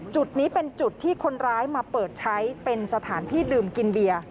จุดนี้เป็นจุดที่คนร้ายมาเปิดใช้เป็นสถานที่ดื่มกินเบียร์